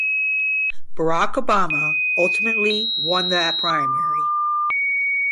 Barack Obama ultimately won that primary.